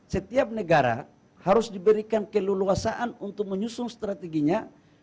setiap negara harus diberikan keleluasaan untuk menyusun strateginya